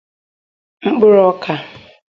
mkpụrụ ọkà